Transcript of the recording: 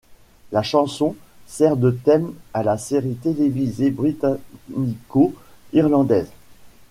La chanson ' sert de thème à la série télévisée britannico–irlandaise '.